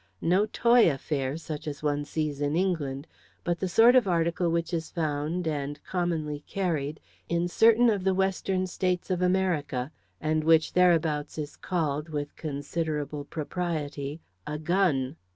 No toy affair such as one sees in England, but the sort of article which is found, and commonly carried, in certain of the Western states of America, and which thereabouts is called, with considerable propriety, a gun.